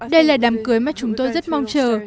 đây là đám cưới mà chúng tôi rất mong chờ